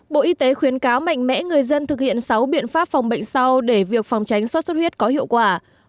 bộ y tế khuyến cáo mạnh mẽ người dân thực hiện sáu biện pháp phòng bệnh sau để việc phòng tránh sốt xuất huyết có hiệu quả